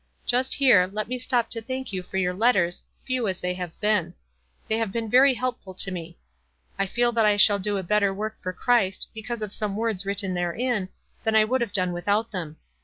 Just here, let me stop to thank you for your letters, few as they have been. They have been very helpful to me. I feel that I shall do a better work for Christ, because of some w T ords w ritten therein, than I would have done without them.